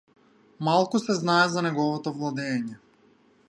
Малку се знае за неговото владеење.